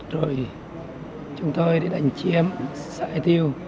rồi chúng tôi đi đánh chiếm xảy tiêu